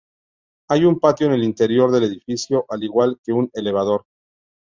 Hay un patio en el interior del edificio, al igual que un elevador.